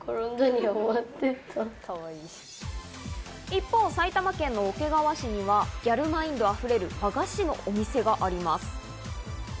一方、埼玉県の桶川市にはギャルマインド溢れる和菓子のお店があります。